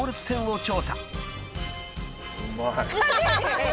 うまい。